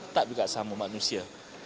tapi kita tetap juga sama manusia